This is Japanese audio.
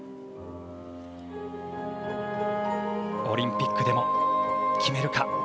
オリンピックでも決めるか。